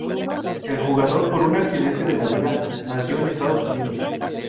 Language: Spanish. El jugador por un "accidente de la vida" nació en Estados Unidos.